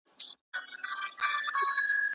¬ خوار په خپله خواري نه شرمېږي.